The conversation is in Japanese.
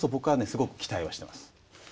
すごく期待はしています。